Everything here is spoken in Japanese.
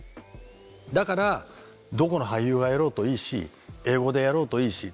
だからどこの俳優がやろうといいし英語でやろうといいし。